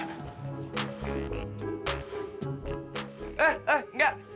eh eh enggak